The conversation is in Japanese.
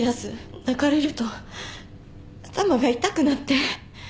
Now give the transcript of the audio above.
泣かれると頭が痛くなって。